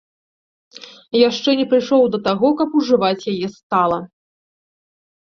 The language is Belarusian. Яшчэ не прыйшоў да таго, каб ужываць яе стала.